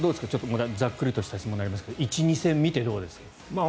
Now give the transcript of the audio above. また、ざっくりとした質問になりますが１２戦見てどうですか？